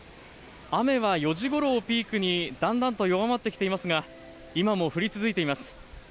雨は４時頃をピークに、だんだんと弱まってきていますが、今も降り続いています。